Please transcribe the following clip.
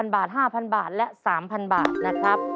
บาท๕๐๐บาทและ๓๐๐บาทนะครับ